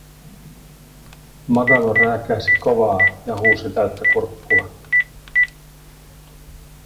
Magalo rääkäisi kovaa ja huusi täyttä kurkkua: